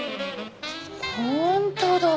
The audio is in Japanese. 本当だ！